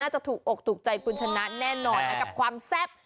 จะถูกอกถูกใจคุณชนะแน่นอนนะกับความแซ่บ